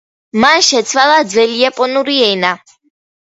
მან შეცვალა ძველიაპონური ენა.